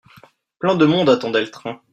Plein de monde attendait le train.